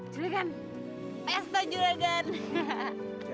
juragan pesto juragan hahaha